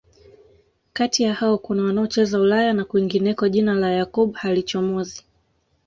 Kati ya hao kuna wanaocheza Ulaya na kwingineko Jina la Yakub halichomozi